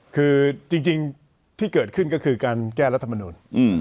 คือจริงที่เกิดขึ้นก็คือการแก้รัฐมนุน